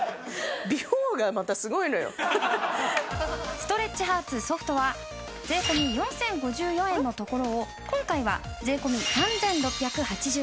ストレッチハーツソフトは税込４０５４円のところを今回は税込３６８５円。